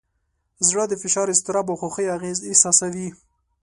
زړه د فشار، اضطراب، او خوښۍ اغېز احساسوي.